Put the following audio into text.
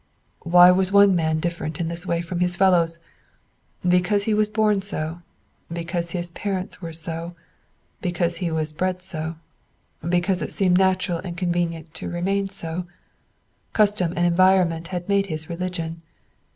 Why was one man different in this way from his fellows? Because he was born so, because his parents were so, because he was bred so, because it seemed natural and convenient to remain so, custom and environment had made his religion.